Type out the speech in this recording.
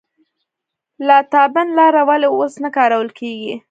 لاتابند لاره ولې اوس نه کارول کیږي؟